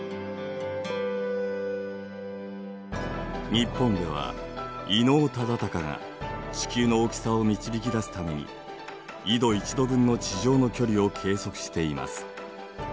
日本では伊能忠敬が地球の大きさを導き出すために緯度１度分の地上の距離を計測しています。